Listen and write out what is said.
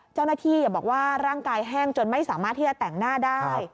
เจ้าหน้าที่บอกว่าร่างกายแห้งจนไม่สามารถที่จะแต่งหน้าได้